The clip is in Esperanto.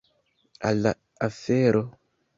Al la afero!